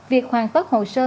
việc hoàn phất hồ sơ